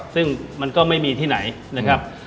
ซึ่งมันก็ไม่มีที่ไหนนะครับ